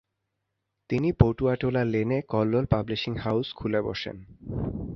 তিনি পটুয়াটোলা লেনে 'Kallol publishing house' খুলে বসেন।